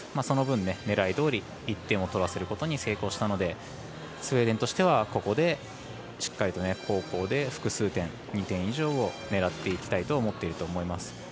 その分、狙いどおり１点を取らせることに成功したのでスウェーデンとしてはここでしっかりと後攻で複数点２点以上を狙っていきたいと思っていると思います。